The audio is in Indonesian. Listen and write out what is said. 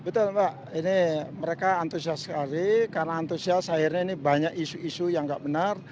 betul mbak ini mereka antusias sekali karena antusias akhirnya ini banyak isu isu yang nggak benar